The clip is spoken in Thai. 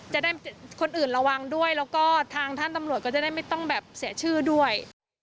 จะได้คนอื่นระวังด้วยแล้วก็ทางท่านตำรวจก็จะได้ไม่ต้องแบบเสียชื่อด้วย